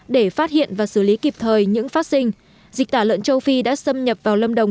để phát hiện và xử lý kịp thời những phát sinh dịch tả lợn châu phi đã xâm nhập vào lâm đồng